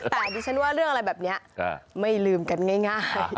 แต่ดิฉันว่าเรื่องอะไรแบบนี้ไม่ลืมกันง่าย